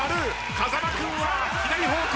風間君は左方向。